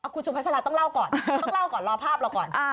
คุณสุภาษาต้องเล่าก่อนต้องเล่าก่อนรอภาพเราก่อน